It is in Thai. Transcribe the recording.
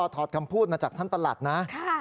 ถอดคำพูดมาจากท่านประหลัดนะ